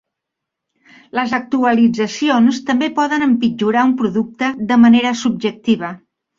Les actualitzacions també poden empitjorar un producte de manera subjectiva.